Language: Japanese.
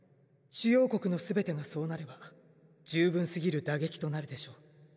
主要国のすべてがそうなれば十分すぎる打撃となるでしょう。